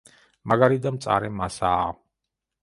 მაგარი და მწარე მასაა.